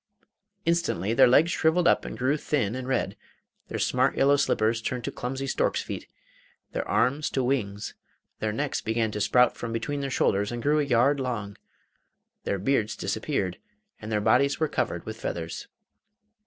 Instantly their legs shrivelled up and grew thin and red; their smart yellow slippers turned to clumsy stork's feet, their arms to wings; their necks began to sprout from between their shoulders and grew a yard long; their beards disappeared, and their bodies were covered with feathers.